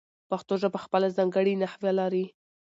پښتو ژبه خپله ځانګړې نحو لري.